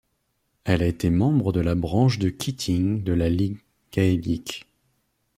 Elle a été membre de la branche de Keating de la ligue gaélique.